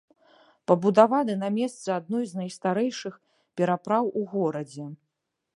Пабудаваны на месцы адной з найстарэйшых перапраў у горадзе.